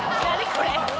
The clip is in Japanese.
これ。